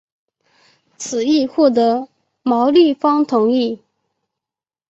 此议获得毛利方同意。